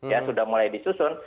ya sudah mulai disusun